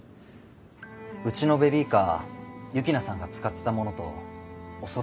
うちのベビーカー幸那さんが使ってたものとおそろいなんです。